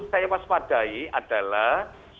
saya waspadai adalah